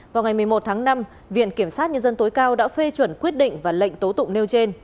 vào ngày một mươi một tháng năm viện kiểm sát nhân dân tối cao đã phê chuẩn quyết định và lệnh tố tụng nêu trên